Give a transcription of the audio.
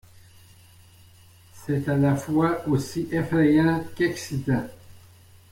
C’est à la fois aussi effrayant qu’excitant.